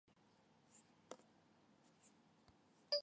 以为没寄，结果是我漏信了